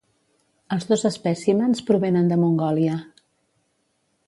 Els dos espècimens provenen de Mongòlia.